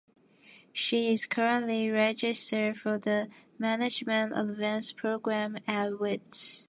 She is currently registered for the Management Advanced Programme at Wits.